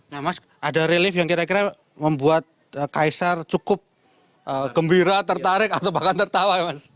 nah mas ada relief yang kira kira membuat kaisar cukup gembira tertarik atau bahkan tertawa ya mas